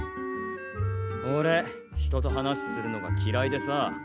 おれ人と話するのがきらいでさ